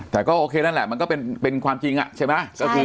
แต่ก็โอเคนั่นแหละมันก็เป็นความจริงใช่ไหม